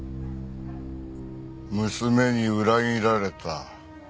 娘に裏切られた。